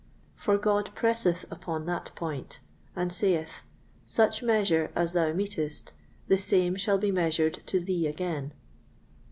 For God presseth upon that point, and saith, "Such measure as thou metest, the same shall be measured to thee again."